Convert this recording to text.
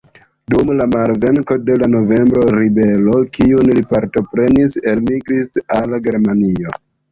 Post malvenko de la novembra ribelo, kiun li partoprenis, elmigris al Germanio.